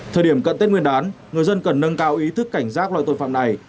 thời điểm cận tết nguyên đán người dân cần nâng cao ý thức cảnh giác loại tội phạm này